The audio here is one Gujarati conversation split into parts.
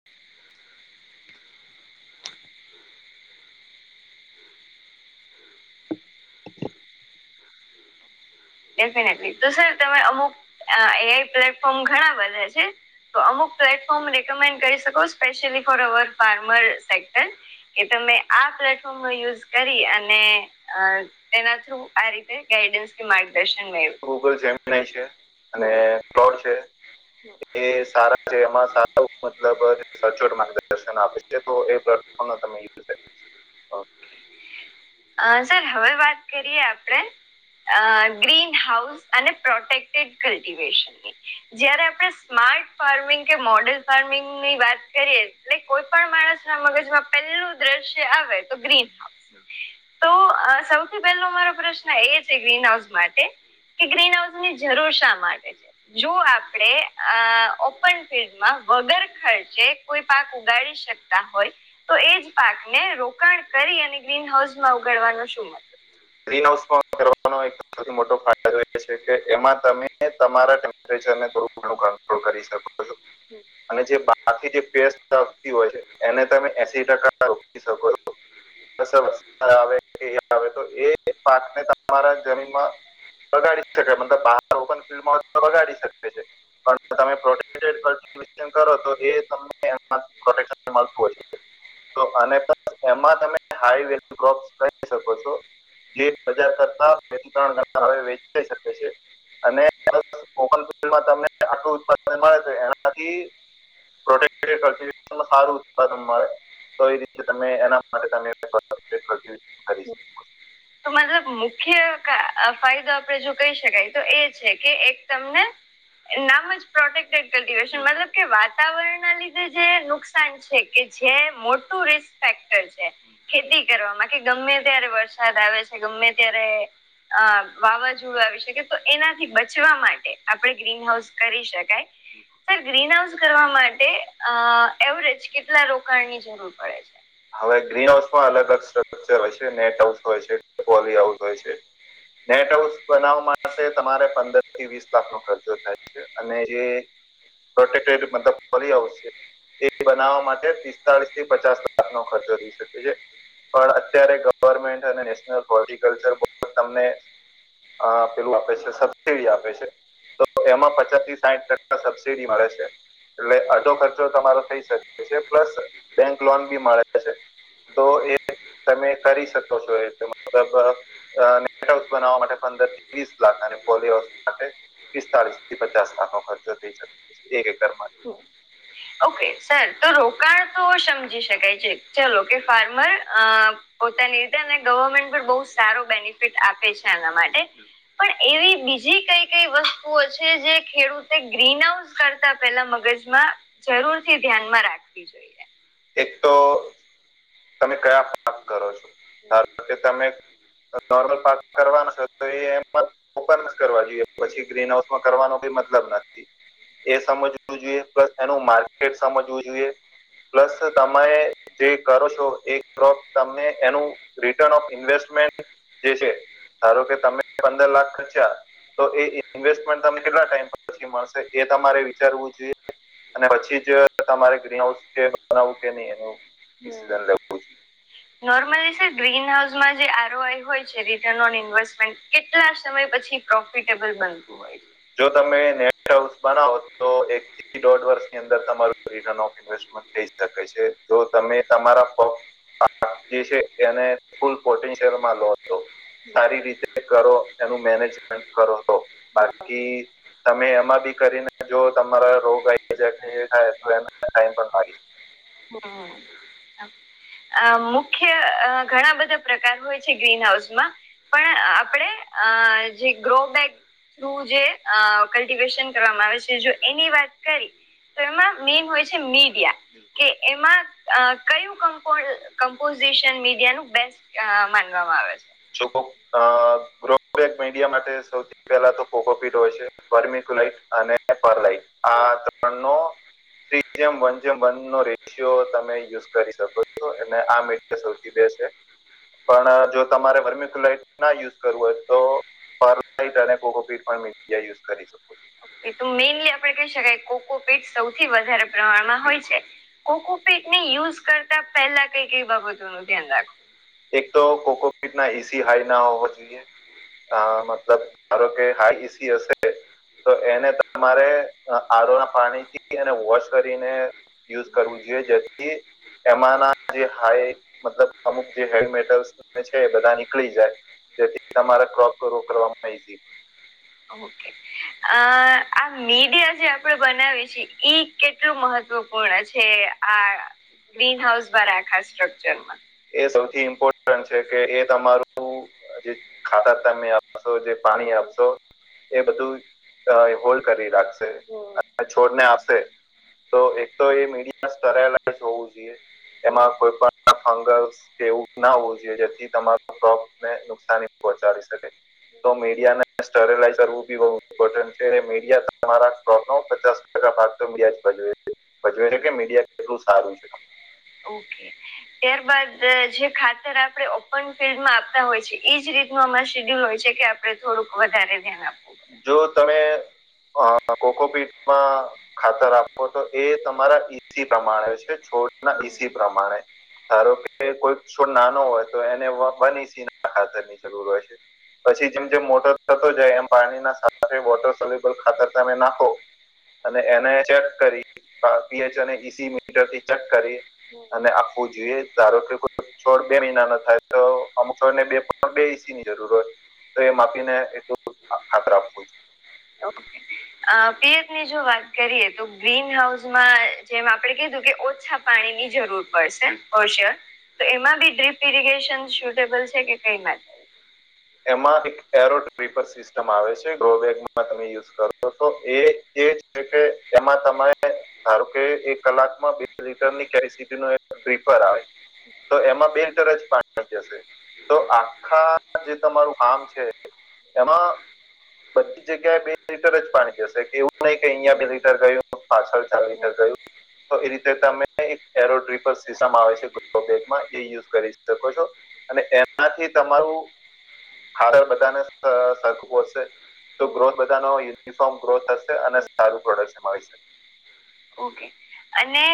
[inaudible] [inaudible] ડેફિનેટલી તો સર તમામે અમુક એઆઈ પ્લેટફોર્મ ઘણા બધા છે. તો અમુક પ્લેટફોર્મ રેકમેન્ડ કરી શકો specially for our farmer sector કે તમે આ પ્લેટફોર્મનો યુઝ કરી અને તેના થ્રુ આ રીતે ગાઈડન્સ કે માર્ગદર્શન મેળ્યું. ગૂગલ જેમીનાઈ છે અને છે એ સારા છે એમાં સ મતલબ સચોટ માર્ગદર્શન આપે છે તો એ પ્લેફોર્મ ન તમે યુ અ સર હવે વાત કરીએ આપણે અ ગ્રીન હાઉસ અને પ્રોટેક્ટેડ કલ્ટિવેશન. [inaudible] જયારે આપણે સ્માર્ટ ફાર્મિંગ કે મોડેલ ફાર્મિંગ ની વાત કરીએ. કોઈ પણ માણસ ના મગજમાં પહેલું દ્રશ્ય આવે તો ગ્રીન [inaudible] તો અ સૌથી પહેલો મારો પ્રશ્ન એ છે ગ્રીનહાઉસ માટે કે ગ્રીનહાઉસની જરૂર શા માટે? છે જો આપડે ઓપન અ ફિલ્ડમાં, વગર ખર્ચે કોઈ પાક ઉગાડી શકતા હોય તો એ જ પાકને રોકાણ કરી અને ગ્રીન હાઉસમાં ઉગડવાનો શું મત ગ્રીન હાઉસમાં [inaudible] વાનો એક સૌથી મોટો ફાયદો રહે છે કે એમાં તમે તમારા ટેમ્પરેચરને થોડું ઘણું કંટ્રોલ કરી શકો છો. અને જે બાકી જે પેસ્ટ આવતી હોય છે એને તમે એસી ટકા રો [inaudible] આવે કે [inaudible] આવે તો એ તે પાકને તમારા જમીનમાં બગાડી શકે મતલબ બહાર ઓપન ફિલ્ડમાં હોય તો બગાડી શકે છે. પણ તમે પ્રોટેક્ટેડ [inaudible] કરો તો એ તમને આમ પ્રોટેક્શન મળતું હોય છે. તો અને પ્લસ એમાં તમે હાઈ વેલ્યુ ક્રોપ્સ કરી શકો છો. જે બજાર કરતા બે થી ત્રણ ગણા ભાવે વેચાઈ શકે છે અને પ્લસ ઓપન ફિલ્ડમાં તમે આટલું ઉત્પાદન મળે છે એનાથી પ્રોટેક્ટેડ કલ્ટીવેશનમાં સારું ઉત્પાદન મળે. તો એ રીતે તમે એના માટે તમે પ્રોટેક્ટેડ કલ્ટીવેશન કરી શકો છો. મતલબ મુખ્ય કા અ ફાયદો આપણેે જો કહી શકાય તો એ છે કે એક તમને નામ જ પ્રોટેકટેડ કલ્ટિવેશન. મતલબ કે વાતાવરણના લીધે જે નુકસાન છે. કે જે મોટું રિસ્ક ફેક્ટર છે ખેતી કરવાવામાં કે ગમે ત્યારે વરસા સાદ આવે છે, ગમે ત્યારે અ વાવાઝોડું આવી શકે તો એનાથી બચવા માટે આપણે ગ્રીન હાઉસ કરી શકાય. સર ગ્રીન હાઉસ કરવા માટે અ એવરેજ કેટલા રોકાણની જરૂર પડે છે? હવે ગ્રીનહાઉસમાં અલગ અલગ સ્ટ્રક્ચર હોય છે. નેટ હાઉસ હોય, [inaudible] લી હાઉસ હોય છે. નેટ હાઉસ બનાવવા માટે તમારે પંદરથી વીસ લાખનો ખર્ચો થાય છે. અને જે પ્રોટેક્ટડ મતલબ બની આવશે. તે બનાવવા માટે પિસ્તાળીસથી પચાસ લાખનો ખર્ચો થઈ શકે છે. પણ અત્યારે ગવર્મેન્ટ અને નેશનલ હોર્ટિકલ્ચર બોર્ડ તમને અ પેલું આપે છે, સબસીડી આપે છે. તો તેમાં પચાસથી સાઈઠ ટકા સબસીડી મળે છે. એટલે અડધો ખર્ચો તમારો થઈ શકે છે. પ્લસ બેંક લોન બી મળે છે. તો એ તમે કરી શકો છો એ રીતે મતલબ અ નેટ હાઉસ બનાવવા માટે પંદરથી ત્રીસ લાખ અને પોલી હાઉસ માટે પિસ્તાળીસથી પચાસ લાખનો ખર્ચો થઈ શકે એક એકરમાં ઓકે. સર તો રોકાણ તો સમજી શકાય છે. ચલો કે ફાર્મર અ પોતાની રીતે ગવર્મેન્ટ પણ બોઉ સારો બેનિફિટ આપે છે એના માટે. પણ એવી બીજી કઈ કઈ વસ્તુઓ છે જે ખેડૂતે ગ્રીન હાઉસ કરતા પેલા મગજમાં જરૂર થી ધ્યાનમાં રાખવી જોઈએ. એક તો તમે કયા પાક કરો છો? ધારો કે તમે નોર્મલ પાક કરવાનો છો તો એ એમાં [inaudible] માં જ કરવા જોઈએ પછી ગ્રીનહાઉસમાં કરવાનો કોઈ મતલબ નથી. એ સમજવું જોઈએ પ્લસ એનું માર્કેટ સમજવું જોઈએ પ્લસ તમે જે કરો છો એ ક્રોપ તમે એનું રિટર્ન ઓફ ઇન્વેસ્ટમેન્ટ જે છે ધારો કે તમે પંદર લાખ ખર્ચ્યા તો એ ઇન્વેસ્ટમેન્ટ તમને કેટલા ટાઈમ પછી મળશે એ તમારે વિચારવું જોઈએ અને પછી જ તમારે ગ્રીન હાઉસ કે બનાવું કે નહી એનું લું [inaudible] [unintelligible] નોર્મલી સર ગ્રીન હાઉસમાં જે આરઓઆઈ હોય છે રિટન ઓન ઇન્વેસ્ટમેન્ટ કેટલા સમય પછી પ્રોફિટેબલ બનતું હોય છે? જો તમે નેટ હાઉસ બનાવો તો એક થી દોઢ વર્ષની અંદર તમારું રિટર્ન ઓફ ઇન્વેસ્ટમેન્ટ ઈ શકે છે જો તમે તમારા જે છે એને ફૂલ પોટેન્શિયલમાં લો હતો. સારી રીતે કરો એનું મેનેજમેન્ટ કરો તો. [inaudible] [unintelligible] તમે એમાં બી કરીને જો તમારા રોગ આવી જાય થાય તો એ ટાઈમ પણ લાગી. હમ. અ મુખ્ય ઘણા બધા પ્રકાર હોય છે ગ્રીન હાઉસમાં પણ આપણેે અ જે ગ્રોબેક થ્રુ જે કલ્ટિવેશન કરવામાં આવે છે જો એની વાત કરી તો એમાં મેન હોય છે મીડિયા કે એમાં કયું કં મપોઝશન મીડિયા ન બેસ્ટ માનવામાં આવે છે? લોકો [inaudible] મીડિયા માટે સૌથી પેલા તો કોકોપીટ હોય છે વર્મિક લઈટ અને પરલાઈટ આ ત્રણ નો થ્રી જેમ વન જેમ વન નો રેશિયો તમે યુઝ કરી શકો છો અને આ સૌથી બેસ્ટ છે પણ જો તમારે વર્મિકુલાઇટ ના યુઝ કરવું હોય તો પર લટ અને કોકોપી મીડિયા યુઝ કરી શકો છો. એ તો મેઈનલી આપે કહી શકાય કોકોપીટ સૌથી વધારે પ્રમાણમાં હોય છે. કોકોપીટ ને યુઝ કરતા પહેલા કઈ કઈ બાબતો નું ધ્યાન રાખો? એક તો કોકોપીટ ના એસી હાઈ ના હોવા જોઈએ અ મતલબ ધારો કે હાઈ ઇસી હશે તો એને તમારે આરોના પાણીથી એને વોશ કરીને યુઝ કરવું જોઈએ જેથી એમાંના જે હાય મતલબ અમુક જે હેવી મેટર છે એ બધા નીકળી જાય જેથી તમારા ક્રોપ રો કરવામાં ઈઝી ઓકે. અ આ મીડિયા જે આપણેે બનાવી છીએ કેટલું મહત્વપૂર્ણ છે આ ગ્રીન હાઉસ વા રાખા સ્ટ્રકચરમાં? એ સૌથી ઇમ્પોર્ટન્ટ છે કે એ તમારું જે ખાતા તમે આપશો જે પાણી આપશો એ બધું હોલ્ડ કરી રાખશે અને છોડને આપશે. તો એક તો એ મીડિયા કરાયેલા જ હોવું જોઈએ એમાં કોઈ પણ ફંગલ્ કે એવું ના હોવું જોઈએ જેથી તમારો પ્રોપ ને નુકસાની પહોંચાડી શકે. તો મીડિયા ને સ્ટરેલાઇ કરવું બી બહુ ઇમ્પોર્ટન્ટ છે એટલે મીડિયા તમારાોકનો પચાસ ટકા ભાગ તો મીડિયા ભજવે છે ભજવે છે કે મીડિયા કેટલું સારું છે. ઓકે. ત્યારબદ જે ખાતર આપણે ઓપન ફિલ્ડમાં આપતા હોય છે એજ રીતે શડ્યુલ હોય છે કે આપડણે થોડુંક વધારે ધ્યાન આપ જો તમે અ કોકોપીટમાં ખાતર આપો તો એ તમારા ઈસી પ્રમાણે છે છોડના ઈસી પ્રમાણે ધારો કે કોઈ છોડ નાનો હોય તો એને બની સ ના ખાતર ની જરૂર હોય છે. પછી જેમ જેમ મોટર થતો જાય એમ પાણીના સાથે વોટર સોલબલ ખાતર તમે નાખો અને એને ચેક કરી પીએચ અને ઈસી મીટરથી ચેક કરી અને આખવું જોઈએ ધારો કે કોઈ ચોર બે મહિના ન થાય તો અમુક છો ને બે બે ની જરૂર હોત તો એ માપીને એટું ખાતર આપ અ પિયત ની જો વાત કરીએ તો ગ્રીન હાઉસ માં જેમ આપડણે કીધું કે ઓછા પાણી ની જરૂર પડશે હોશેર તો એમાં બી ડ્રીપ ઇરીિગેશન સુટેબલ છે કે કઈ માટે એમાં એક એરો ટપર સિસ્ટમ આવે છે ડ્રોબેકમાં તમે યુઝ કરો તો એ છે કે એમાં તમારે ધારો કે એક કલાક માં બે લીટર ની કેપસિટી નો એક ડ્રીપર આવે તો એમાં બે લીટર જ પાણી જશે તો આખા જે તમારું ફામ છે એમાંધ જગ્યાએ બે લીટર જ પાણી જશે એવું નહીં કે અહિયાં બે લીટર ગયું પાછળ ચાર લીટર ગયું તો એ રીતે તમે એક એરો ટ્રીપર સિસ્ટમ આવે છે ગ બેકમાં એ કરી શકો છો અને એમાંથી તમારું હારે બધાને સરખુંશે તો ગ્રોથ બધા ન યુનિફોર્મ ગ્રોથ થશે અને સારું પ્રોડક્શન આવી શકે ઓકે અને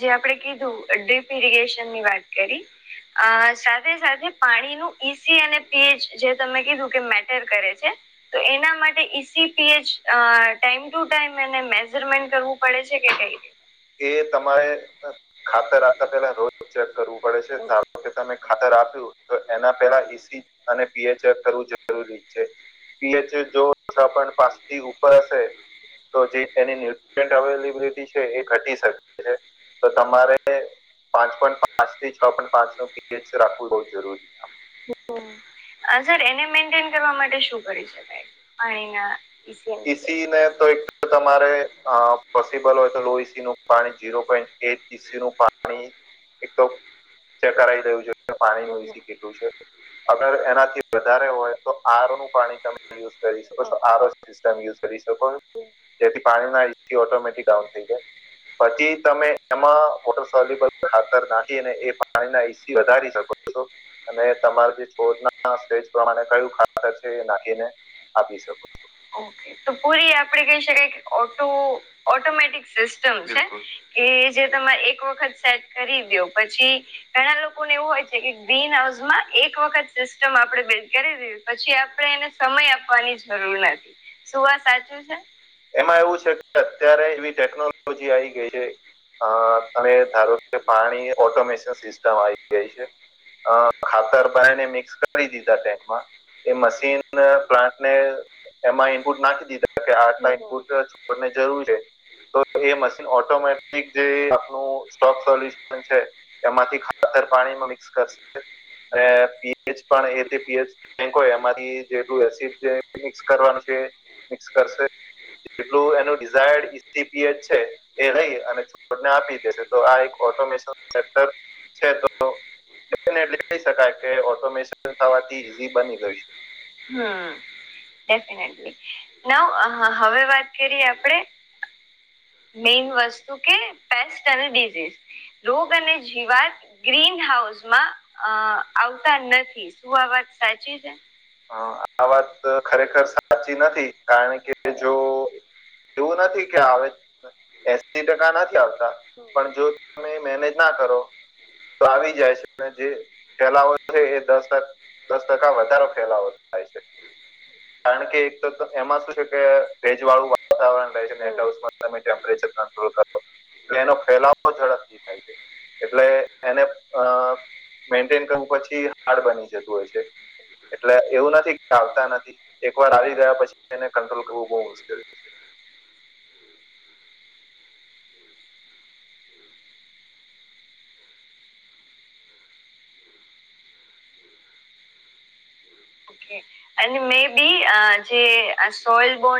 જે આપણે કીધું ડ્રીપ ઇરિગેશન ની વાત કરી અ સાથે સાથે પાણીનું ઈસી અને પીએચ જે તમે કીધું કે મેટર કરે છે તો એના માટે EC pH time to time એને મેજરમેન્ટ કરવું પડે છે કે કઈ રતે એ તમારે ખાતર આપતા પેલા રોજ ચેક કરવું પડે છે ધારો કે તમે ખાતર આપ્યું તો એના પહેલા સી અને પીએચ કરવું જરૂરી છે. પીએચ જો પાચ થી ઉપર હશે તો જે એની ન્યુટ્રીન્ટ અવેલેબિલિટી છે એ ઘટી શકે છે તો તમારે પાંચ પોઈન્ટ પાંચ થી છ પોઈન્ટ પાંચ નું પીચ રાખવું બહુ જરૂરી છે. હમ. સર એને મેન્ટેન કરવા માટે શું કરી શકાય પાણીના ઈસી ને તો એક તમારે પોસિબલ હોય તો લો ઈસી નું પાણી જઝીરો પોઈન્ટ એટ નું પાણી એક તો ચેક કર દું છે પાણી નસી અગર એનાથી વધારે હોય તો આર નું પાણી તમે કરીશ. સિસ્ટમ યુઝ કરી શકો છો જેથી પાણીના એસી ઓટોમેટિક ડાઉન થઈ જાય પછી તમે એમાં વોટર સબલ ખાતર નાખી ને એ પાણી ના એસી વધારી શકો. અને તમાર જે છો ના સ્ટેજ પ્રમાણે કયું ખાતર છે એ નાખીને આપી શકો ઓકે તો પૂરી આપડે કહી શકાય કે ઓટો ઓટોમેટિક સિસ્ટમ છે કે જે તમારે એક વખત સેટ કરી દો પછી ઘણા લોકોને એવું હોય છે કે ગ્રીન હાઉસ માં એક વખત સિસ્ટમ આપડે બિલ્ડ કરી દું પછી આપડે એને સમય આપવાની જરૂર નથી શું વા સાચું છે. એમાં એવું છે કે અત્યારે એવી ટેકનોલોજી આવી ગઈ છે. અ તમે ધારો કે પાણી ઓટોમેશન સિસ્ટમ આવી ગઈ છે. અ ખાતર બાયને મિક્સ કરી દીધા ટેન્ટમાં એ મશીન પ્લાન્ટને એમાં ઇનપુટ નાખી દીધા કે આઠ લખ પૂટ છોડને જરૂર છે. તો એ મશીન ઓટોમેટિક જે આપનું સ્ટોક સોલ્યુશન છે. એમાંથી ખાતર પાણીમાં મિક્સ કરશે અને પીજ પણ એ પીજ હોય એરી જેટલું એસિડ જે મિક્સ કરવાનું છે મિક્સ કરશે. એટલું એનું ડિઝાયડ ઈસીપીએચ છે. એ રહી અને છોડને આપી દેશે તો આ એક ઓટોમેશન સેક્ટર છે તો. ફટલી કહી શકાય કે ઓટોમેશન થવાથી ઈઝી બની ગયું છે. હા ડેફિનેટલી નવ હવે વાત કરીએ આપણે મેઈઇન વસ્તુ કે પેસ્ટ અને ડિઝીઝ રોગ અને જીવાત ગ્રીન હાઉસ માં અ આવતા નથી. સુઆ વાત સાાયચી જ હ આ વાત ખરેખર સાચી નથી કારણ કે જો. એવું નથી કે આવે એસી ટકા નથી આવતા પણ જો તમે મેનેજ ના કરો. તો આવી જાય છે અને જે ફેલાવો છે એ દસ દસ ટકા વધારો ફેલાવો થાય છે કારણ કે એક તો એમાં શું છે કે ભેજવાળું વાતાવરણ રહે છેટ હાઉસમાં તમે ટેમ્પરેચર એટલે એનો ફેલાવો ઝડપ થી થાય જાય. એટલે એને અ મેન્ટેન કરવું પછી હાર્ડ બની જતું હોય છે. એટલે એવું નથી કે આવતા નથી એક વાર આવી ગયા પછી એને કંટ્રોલ કરવું બહુ મુશ્કેલ છે. ઓ મે બી જે સોલ બોન્